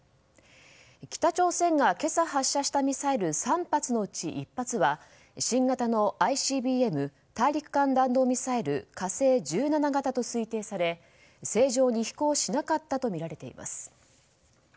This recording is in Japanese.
北朝鮮が今朝発射したミサイル３発のうち１発は新型のＩＣＢＭ・大陸間弾道ミサイル「火星１７型」と推定され正常に飛行しなかったとみられています。